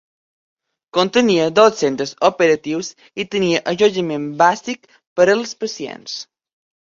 Contenia dos centres operatius i tenia allotjament bàsic per als pacients.